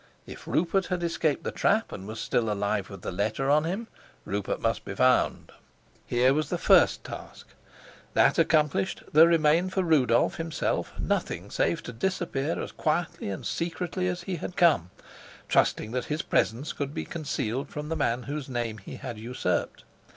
If Rupert had escaped the trap and was still alive with the letter on him, Rupert must be found; here was the first task. That accomplished, there remained for Rudolf himself nothing save to disappear as quietly and secretly as he had come, trusting that his presence could be concealed from the man whose name he had usurped.